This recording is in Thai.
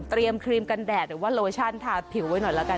ครีมกันแดดหรือว่าโลชั่นทาผิวไว้หน่อยละกัน